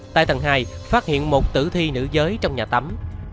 tại tầng hai phát hiện một tử thi nữ giới trong nhà tắm